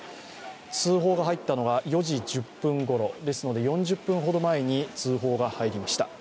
通報が入ったのは４時１０分ごろですので４０分ほど前に通報が入りました。